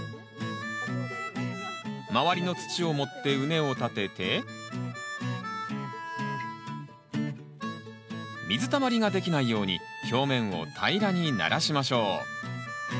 周りの土を盛って畝を立てて水たまりができないように表面を平らにならしましょう。